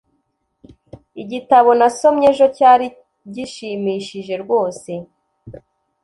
igitabo nasomye ejo cyari gishimishije rwose